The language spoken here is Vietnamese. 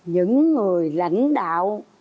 những người lãnh đạo